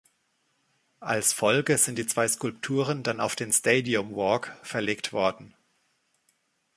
Als Folge sind die zwei Skulpturen dann auf den Stadium Walk verlegt worden.